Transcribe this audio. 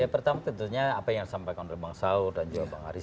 ya pertama tentunya apa yang disampaikan oleh bang saur dan juga bang haris